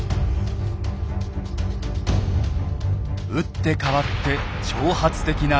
打って変わって挑発的な態度。